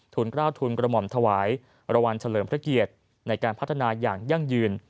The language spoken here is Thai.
กล้าวทุนกระหม่อมถวายรางวัลเฉลิมพระเกียรติในการพัฒนาอย่างยั่งยืน